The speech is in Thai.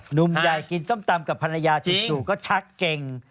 หนุ่มใหญ่กินส้มตำกับภรรยาจู่ก็ชักเก่ง